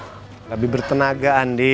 misalnya mau berrcv kayak gini